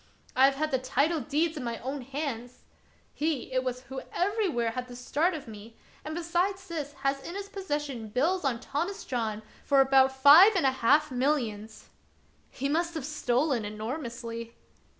I have had the title deeds in my own hands ! He it was who everywhere had the start of me; and, besides this, has in his possession bills on Thomas John for about five and a half millions." " He must have stolen enormously."